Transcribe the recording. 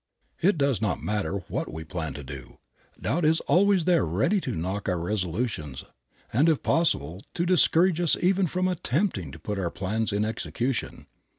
It does not matter what we plan to do, doubt is always there ready to knock our resolutions, and, if possible, to discourage us even from attempting to put our plans in execution.